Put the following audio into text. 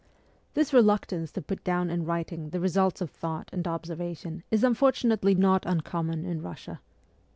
This reluctance to put down in writing the results of thought and observation is unfortunately not uncommon in Kussia.